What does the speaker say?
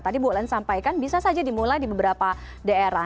tadi bu len sampaikan bisa saja dimulai di beberapa daerah